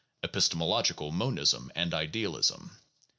(Epistemological Monism and Idealism.)